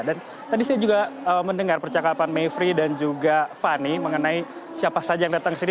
dan tadi saya juga mendengar percakapan mevri dan juga fani mengenai siapa saja yang datang ke sini